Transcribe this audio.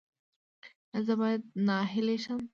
ایا زه باید ناهیلي شم؟